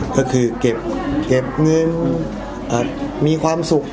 ก็คือเก็บเงินมีความสุข